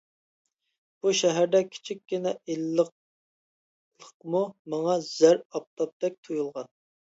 بۇ شەھەردە كىچىككىنە ئىللىقلىقمۇ ماڭا زەر ئاپتاپتەك تۇيۇلغان.